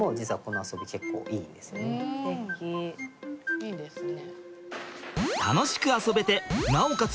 いいですね。